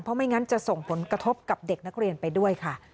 เพราะไม่งั้นจะส่งผลกระทบกับเด็กนักเรียนไปด้วยค่ะ